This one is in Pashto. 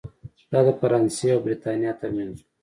دا د فرانسې او برېټانیا ترمنځ و.